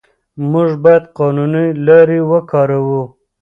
موږ باید قانوني لارې وکاروو.